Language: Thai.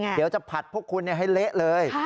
จะผัดพวกคุณให้เละเลย